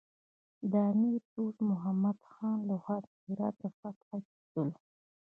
د امیر دوست محمد خان له خوا د هرات د فتح کېدلو.